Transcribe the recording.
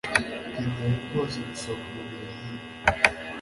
Ukeneye rwose gusohoka mubihe nkibi